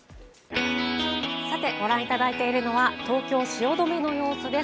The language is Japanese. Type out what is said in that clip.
ご覧いただいているのは東京・汐留の様子です。